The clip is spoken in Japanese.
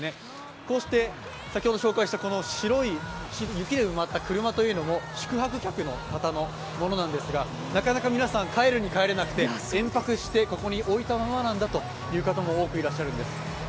こうして先ほど紹介した白い雪で埋まった車というのも宿泊客の方のものなんですがなかなか皆さん、帰るに帰れなくて連泊してここに置いたままなんだという方も多くいらっしゃるんです。